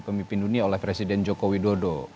pemimpin dunia oleh presiden jokowi dodo